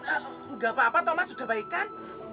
sudah apa apa tomat sudah baik kan